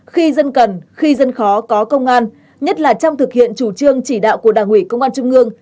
khi dân cần khi dân khó có công an nhất là trong thực hiện chủ trương chỉ đạo của đảng ủy công an trung ương